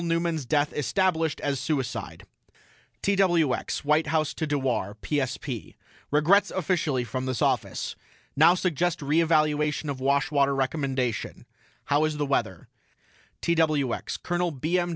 NEUMAN'S DEATH ESTABLISHED AS SUICIDE TWX WHITE HOUSE TO DEWAR PSP: REGRETS OFFICIALLY FROM THIS OFFICE NOW SUGGEST RE EVALUATION OF WASHWATER RECOMMENDATION HOW IS THE WEATHER TWX COL. B. M.